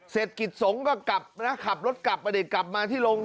เสร็จกิจสงฆ์ก็กลับนะขับรถกลับอดีตกลับมาที่ลง